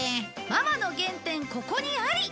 ママの原点ここにあり！